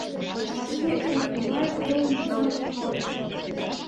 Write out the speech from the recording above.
Вашке Эргуваев, толын, омсам тӱкалтыш.